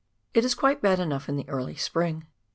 It is quite bad enough in the early spring.